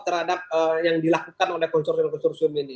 karena ini adalah yang dilakukan oleh konsorsium konsorsium ini